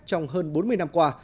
trong hơn bốn mươi năm qua